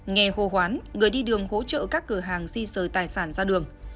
nghe hô hoán người đi đường hỗ trợ các cửa hàng di rời tài sản ra đường